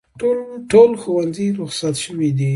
ټول ښوونځي روخصت شوي دي